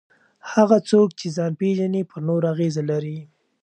هغه څوک چې ځان پېژني پر نورو اغېزه لري.